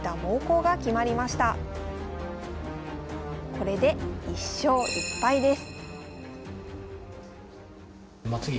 これで１勝１敗です。